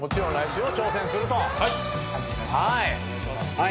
はい。